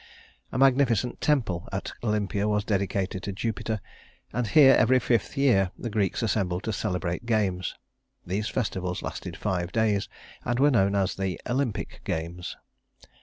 A magnificent temple at Olympia was dedicated to Jupiter, and here, every fifth year, the Greeks assembled to celebrate games. These festivals lasted five days, and were known as the Olympic Games.